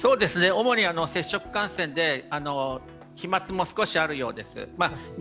主に接触感染で飛まつも少しあるようです。